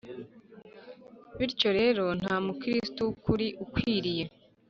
Bityo rero nta Mukristo w ukuri ukwiriye